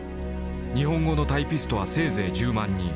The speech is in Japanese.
「日本語のタイピストはせいぜい１０万人。